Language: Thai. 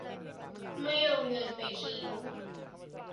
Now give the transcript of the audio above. ไม่เอาเงินไปทิ้ง